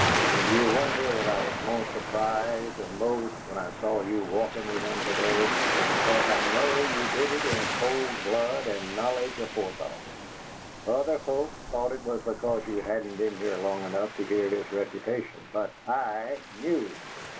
"Then do you wonder that I was more surprised than most when I saw you walking with him to day? Because I knew you did it in cold blood and knowledge aforethought! Other folks thought it was because you hadn't been here long enough to hear his reputation, but I KNEW!"